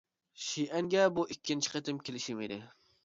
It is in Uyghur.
شىئەنگە بۇ ئىككىنچى قېتىم كېلىشىم ئىدى.